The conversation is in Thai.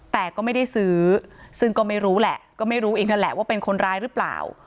แต่ก็ไม่ได้ซื้อซึ่งก็ไม่รู้แหละก็ไม่รู้อีกนั่นแหละว่าเป็นคนร้ายหรือเปล่า